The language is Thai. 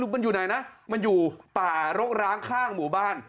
มันอยู่ไหนนะมันอยู่ป่ารกร้างข้างหมู่บ้าน